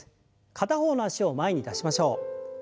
片方の脚を前に出しましょう。